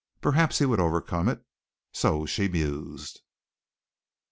Perhaps he would overcome it? So she mused.